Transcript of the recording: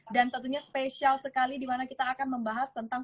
tentunya spesial sekali dimana kita akan membahas tentang